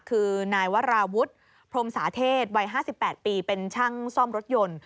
คือนายวราวุฒิพรมสาเทศวัย๕๘ปีเป็นช่างซ่อมรถยนต์